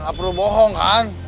nggak perlu bohong kan